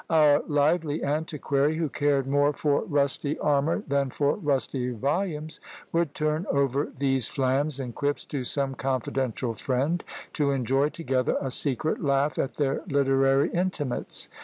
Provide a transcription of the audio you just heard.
Our lively antiquary, who cared more for rusty armour than for rusty volumes, would turn over these flams and quips to some confidential friend, to enjoy together a secret laugh at their literary intimates.